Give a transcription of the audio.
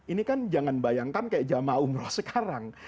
ini kan jangan bayangkan zaman umroh sekarang